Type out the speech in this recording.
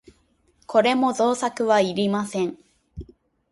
これも造作はいりません。